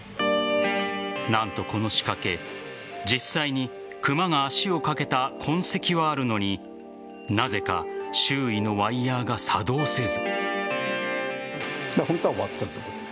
何とこの仕掛け、実際に熊が足をかけた痕跡はあるのになぜか周囲のワイヤーが作動せず。